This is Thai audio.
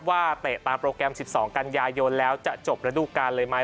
เตะตามโปรแกรม๑๒กันยายนแล้วจะจบระดูการเลยไหม